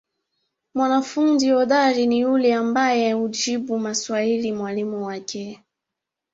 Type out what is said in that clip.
Mwanafundi hodari ni ule ambae hujibu maswali a mwalimu wake.